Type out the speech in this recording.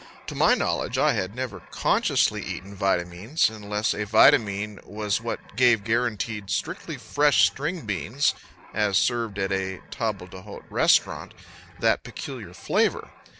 To my knowledge I had never consciously eaten vitamines unless a vitamine was what gave guaranteed strictly fresh string beans, as served at a table d'hôte restaurant, that peculiar flavor.